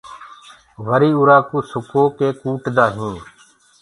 وري اُرآ ڪوُ سُڪو ڪي ڪوُٽدآ هينٚ۔